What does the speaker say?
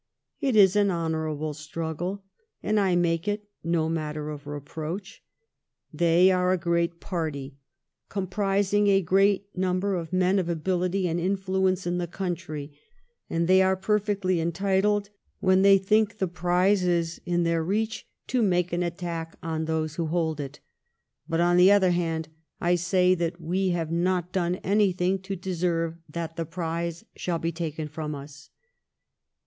It is an honourable struggle, and I make it no matter of reproach. They are a great party, comprising^ a great number of men of ability and influence in the country, and they are perfectly entitled when they think the prize is within their POLAND AND 8CHLE8WIG H0L8TEIN. 23» reaeh, to make an attack on those who hold it But, on the other hand, I say that we have not done anjrthing to deserve that the priz» shall he tf^en from ns.